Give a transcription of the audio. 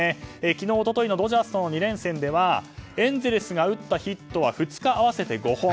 昨日、一昨日のドジャースとの２連戦ではエンゼルスが打ったヒットは２日合わせて５本。